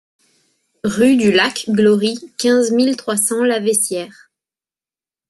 Rue du Lac Glory, quinze mille trois cents Laveissière